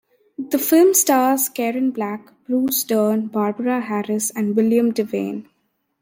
The film stars Karen Black, Bruce Dern, Barbara Harris and William Devane.